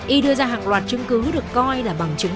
y đưa ra hàng loạt chứng cứ được coi là bằng chứng